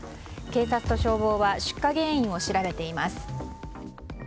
警察と消防は出火原因を調べています。